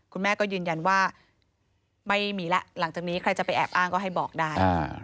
คุณแม่ก็ยืนยันว่าไม่มีแล้วหลังจากนี้ใครจะไปแอบอ้างก็ให้บอกได้